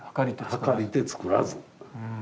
計りて作らず。